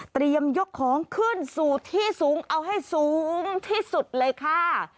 ยกของขึ้นสู่ที่สูงเอาให้สูงที่สุดเลยค่ะ